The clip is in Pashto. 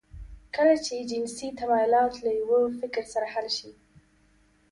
کله چې جنسي تمایلات له یوه فکر سره حل شي